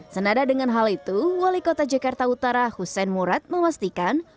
senada dengan hal itu wali kota jakarta utara hussein murad memastikan